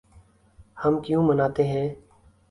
ہم کیوں مناتے ہیں